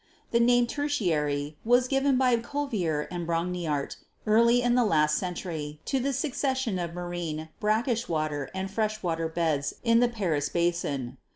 The name Tertiary was given by Cuvier and Brongniart early in the last century to the succession of marine, brackish water and fresh water beds in the Paris basin.